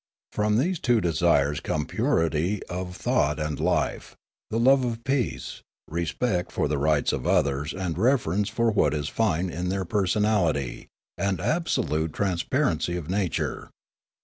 From these two desires come purity of thought and life, the love of peace, respect for the rights of others and My Awakening n reverence for what is fine in their personality, and abso lute transparency of nature.